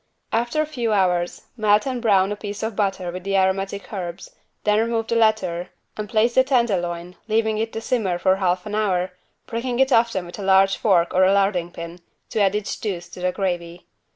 After a few hours melt and brown a piece of butter with the aromatic herbs, then remove the latter and place the tenderloin, leaving it to simmer for half an hour, pricking it often with a large fork or a larding pin, to add its juice to the gravy.